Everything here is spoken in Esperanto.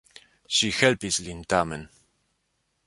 Ŝi helpis lin, tamen.